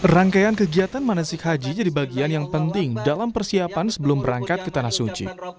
rangkaian kegiatan manasik haji jadi bagian yang penting dalam persiapan sebelum berangkat ke tanah suci